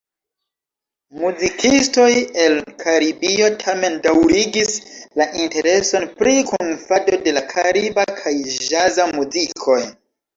Muzikistoj el Karibio tamen daŭrigis la intereson pri kunfando de kariba kaj ĵaza muzikoj.